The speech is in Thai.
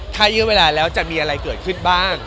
ถ้าเยอะเวลาแล้วจะมีอะไรเกิดขึ้นบ้าง